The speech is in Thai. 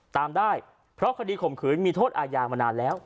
ตามได้เพราะคดีข่มขืนมีโทษอาญามานานแล้ว